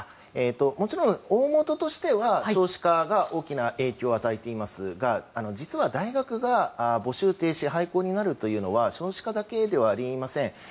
もちろん大元としては少子化が大きな影響を与えていますが実は大学が募集停止、廃校になるというのは少子化だけではありません。